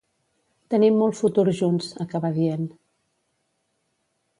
Tenim molt futur junts, acabà dient.